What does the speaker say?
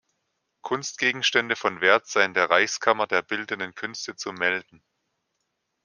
Kunstgegenstände von Wert seien der Reichskammer der bildenden Künste zu melden.